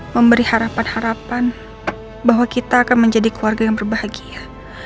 memberi harapan harapan bahwa kita akan menjadi keluarga yang berbahagia